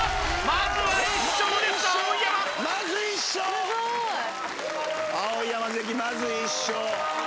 まず１勝